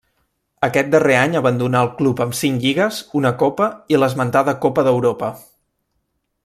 Aquest darrer any abandonà el club amb cinc lligues, una copa i l'esmentada Copa d'Europa.